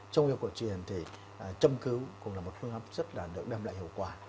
trong y học cổ truyền thì châm cứu cũng là một phương áp rất là được đem lại hiệu quả